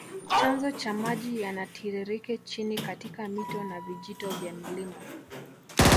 Chanzo cha maji yanatiririke chini katika mito na vijito vya mlima